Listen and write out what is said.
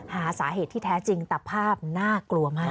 หาสาเหตุที่แท้จริงแต่ภาพน่ากลัวมาก